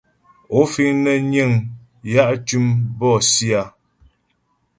Ó fíŋ nə́ níŋ yǎ tʉ́m bɔ̂'sì a ?